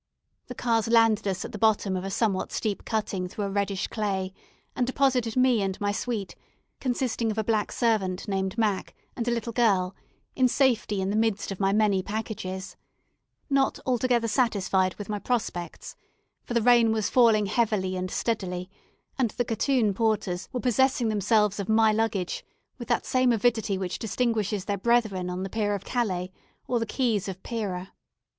The cars landed us at the bottom of a somewhat steep cutting through a reddish clay, and deposited me and my suite, consisting of a black servant, named "Mac," and a little girl, in safety in the midst of my many packages, not altogether satisfied with my prospects; for the rain was falling heavily and steadily, and the Gatun porters were possessing themselves of my luggage with that same avidity which distinguishes their brethren on the pier of Calais or the quays of Pera.